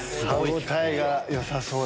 歯応えがよさそうな。